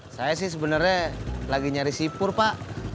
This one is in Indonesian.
saya sih sebenarnya lagi nyari sipur pak